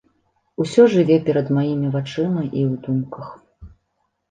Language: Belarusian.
Усё жыве перад маімі вачыма і ў думках.